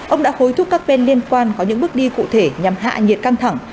ông đã hối thúc các bên liên quan có những bước đi cụ thể nhằm hạ nhiệt căng thẳng